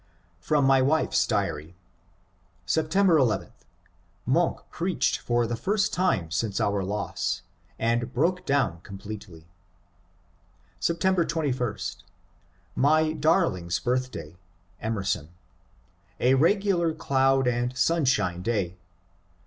From my wife^s diary :" Sept. 11. Mono preached for the first time since our loss, and broke down completely. ... Sept. 21. My darling's birthday (Emerson), — a regular cloud and sunshine day.